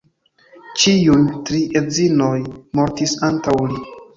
Ĉiuj tri edzinoj mortis antaŭ li.